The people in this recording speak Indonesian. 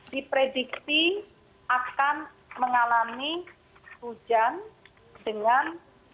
di prediksi akan mengalami hujan dengan